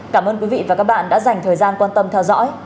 cảm ơn quý vị và các bạn đã dành thời gian quan tâm theo dõi